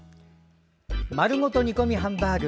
まるごと煮込みハンバーグ